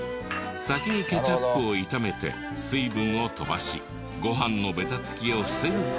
先にケチャップを炒めて水分を飛ばしご飯のベタつきを防ぐ効果も。